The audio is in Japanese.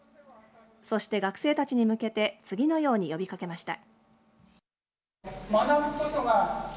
そして学生たちに向けて次のように呼びかけました。